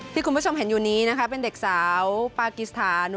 ที่คุณผู้ชมเห็นอยู่นี้นะคะเป็นเด็กสาวปากิสถาน